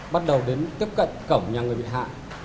bắt đầu đến tiếp cận cổng nhà người bị hạ